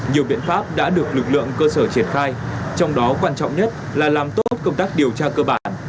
nhiều biện pháp đã được lực lượng cơ sở triển khai trong đó quan trọng nhất là làm tốt công tác điều tra cơ bản